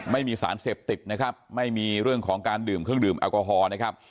ไม่มีสารเสพติดนะครับไม่มีเรื่องของการดื่มเครื่องดื่มแอลกอฮอล์นะครับ